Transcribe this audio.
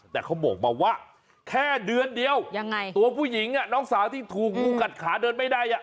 แต่เขาบอกมาว่าแค่เดือนเดียวยังไงตัวผู้หญิงน้องสาวที่ถูกงูกัดขาเดินไม่ได้อ่ะ